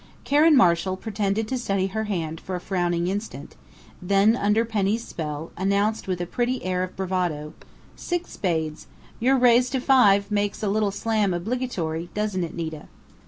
Karen Marshall pretended to study her hand for a frowning instant, then, under Penny's spell, announced with a pretty air of bravado: "Six spades!... Your raise to five makes a little slam obligatory, doesn't it, Nita?"